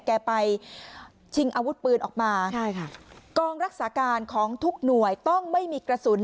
แกไปชิงอาวุธปืนออกมาใช่ค่ะกองรักษาการของทุกหน่วยต้องไม่มีกระสุน